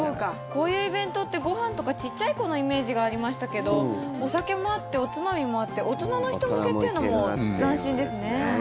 こういうイベントってご飯とかちっちゃい子のイメージがありましたけどお酒もあって、おつまみもあって大人の人向けっていうのも斬新ですね。